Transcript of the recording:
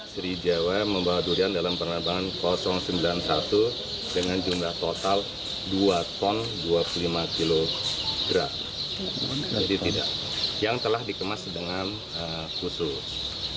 sri jawa membawa durian dalam penerbangan sembilan puluh satu dengan jumlah total dua ton dua puluh lima kg yang telah dikemas dengan khusus